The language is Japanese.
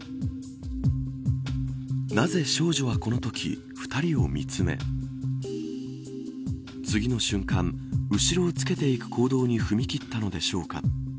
なぜ少女はこのとき２人を見つめ次の瞬間、後ろをつけていく行動に踏み切ったのでしょうか。